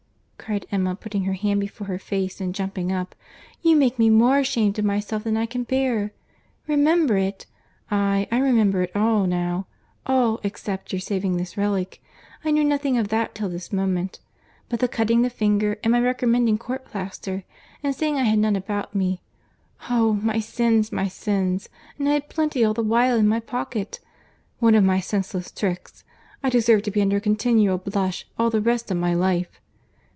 cried Emma, putting her hand before her face, and jumping up, "you make me more ashamed of myself than I can bear. Remember it? Aye, I remember it all now; all, except your saving this relic—I knew nothing of that till this moment—but the cutting the finger, and my recommending court plaister, and saying I had none about me!—Oh! my sins, my sins!—And I had plenty all the while in my pocket!—One of my senseless tricks!—I deserve to be under a continual blush all the rest of my life.